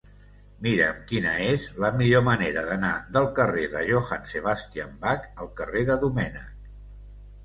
Mira'm quina és la millor manera d'anar del carrer de Johann Sebastian Bach al carrer de Domènech.